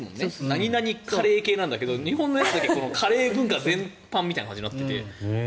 何々カレー系なんだけど日本のやつだけカレー文化全般みたいになっていて。